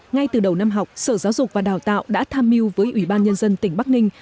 ngay từ đầu năm học sở giáo dục và đào tạo đã tham mưu với ủy ban nhân dân tỉnh bắc ninh